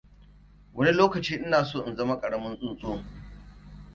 Wani lokaci, Ina so in zama ƙaramin tsuntsu.